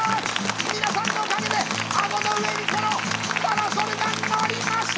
皆さんのおかげで顎の上にこのパラソルがのりました！